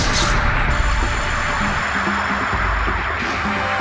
aku harus mencari tau